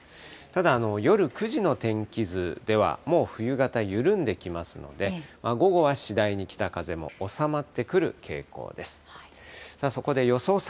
ただ、夜９時の天気図では、もう冬型、緩んできますので、午後は次第に北風も収まってくる傾向です。